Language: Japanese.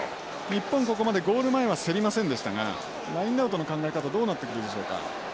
日本ここまでゴール前は競りませんでしたがラインアウトの考え方どうなってくるでしょうか？